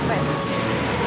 supaya aku tetap jadi copet